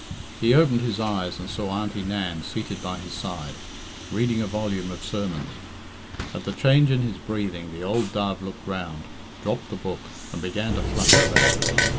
He opened his eyes and saw Auntie Nan seated by his side, reading a volume of sermons. At the change in his breathing the old dove looked round, dropped the book, and began to flutter about.